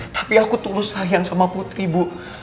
tapi aku tulus sayang sama putri bu